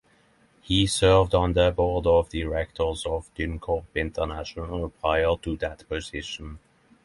He served on the Board of Directors of Dyncorp International prior to that position.